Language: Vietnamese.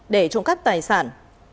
để trộm cắp tài sản